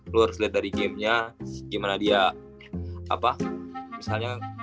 lu harus liat dari gamenya gimana dia apa misalnya